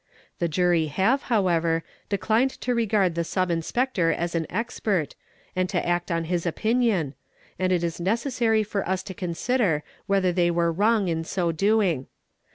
The Jury have, however, declined to regard | the Sub Inspector as an expert, and to act on his opinion, and it 1s neces | sary for us to consider whether they were wrong in so doing.